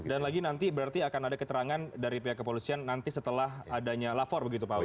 dan lagi nanti berarti akan ada keterangan dari pihak kepolisian nanti setelah adanya lapor begitu pak wuy